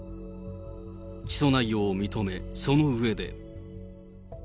起訴内容を認め、その上で。